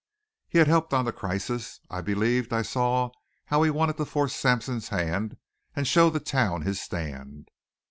He had helped on the crisis. I believed I saw how he wanted to force Sampson's hand and show the town his stand.